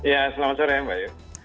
ya selamat sore mbak